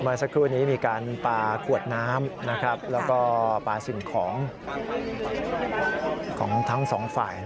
เมื่อสักครู่นี้มีการปลาขวดน้ำแล้วก็ปลาสิ่งของของทั้งสองฝ่าย